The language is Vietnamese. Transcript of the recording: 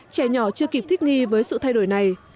trẻ nhỏ chưa kịp thích nghi với sự thay đổi này